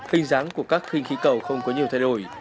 hình dáng của các khinh khí cầu không có nhiều thay đổi